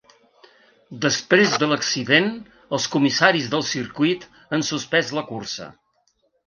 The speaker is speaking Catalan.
Després de l’accident, els comissaris del circuit han suspès la cursa.